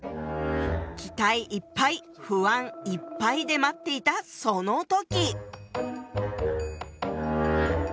期待いっぱい不安いっぱいで待っていたその時。